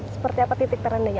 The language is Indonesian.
seperti apa titik terendahnya